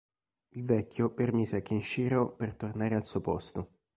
Il vecchio permise a Kenshiro per tornare al suo posto.